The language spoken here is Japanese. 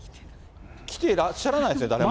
来てらっしゃらないですもんね。